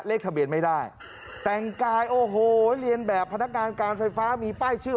เลขทะเบียนไม่ได้แต่งกายโอ้โหเรียนแบบพนักงานการไฟฟ้ามีป้ายชื่อ